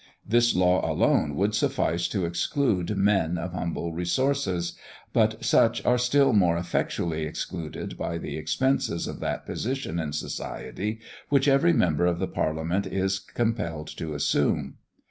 This law alone would suffice to exclude men of humble resources, but such are still more effectually excluded by the expenses of that position in society which every member of parliament is compelled to assume.